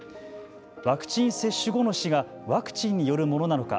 ワクチン接種後の死がワクチンによるものなのか